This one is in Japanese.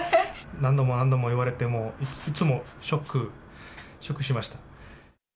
何度も何度も言われても、もういつもショック、ショックしました。